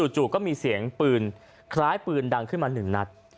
จู่ก็มีเสียงปืนคล้ายปืนดังขึ้นมา๑นัด